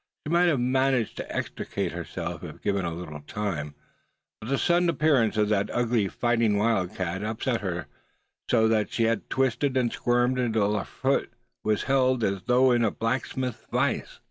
She might have managed to extricate herself if given a little time; but the sudden appearance of that ugly fighting wildcat had upset her; so that she had twisted and squirmed until her foot was held as though in a blacksmith's vise.